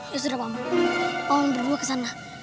ya sudah paman paman berdua kesana